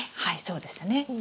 はいそうでしたね。